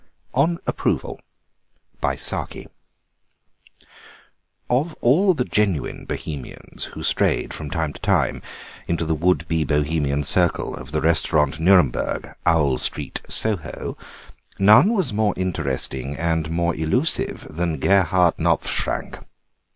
ON APPROVAL Of all the genuine Bohemians who strayed from time to time into the would be Bohemian circle of the Restaurant Nuremberg, Owl Street, Soho, none was more interesting and more elusive than Gebhard Knopfschrank.